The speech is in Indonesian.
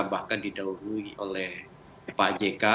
bahkan didalui oleh pak jeka